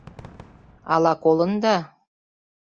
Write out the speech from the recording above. Ала колында?